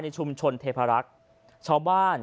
ชุมชนเทพารักษ์ชาวบ้าน